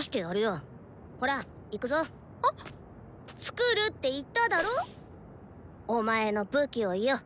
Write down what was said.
作るって言っただろお前の武器をよ。